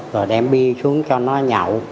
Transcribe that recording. rồi đem bia xuống cho nó nhậu